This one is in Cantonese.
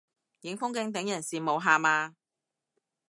影風景等人羨慕下嘛